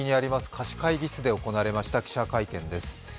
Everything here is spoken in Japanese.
貸し会議室で行われました記者会見です。